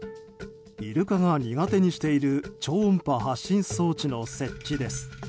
イルカが苦手にしている超音波発信装置の設置です。